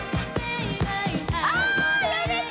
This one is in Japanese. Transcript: ああやめて！